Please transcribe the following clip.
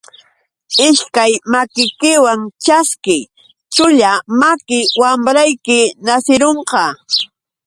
Ishkay makikiwan ćhaskiy, chulla maki wamrayki nasirunqa.